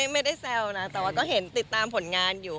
ไม่ได้แซวนะแต่ว่าก็เห็นติดตามผลงานอยู่